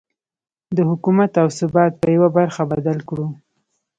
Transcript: د حکومت او ثبات په يوه برخه بدل کړو.